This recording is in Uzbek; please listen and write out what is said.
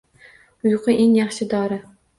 Uyqu – eng yaxshi dori.